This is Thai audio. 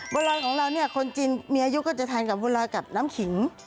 บัวลอยของเราคนจีนมีอายุก็จะทานกับบัวลอยกับน้ำขิง